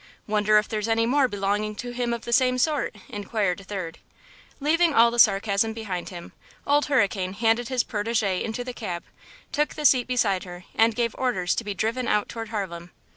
"Wonder if there's any more belonging to him of the same sort?" inquired a third. Leaving all the sarcasm behind him, Old Hurricane handed his protégée into the cab, took the seat beside her and gave orders to be driven out toward Harlem.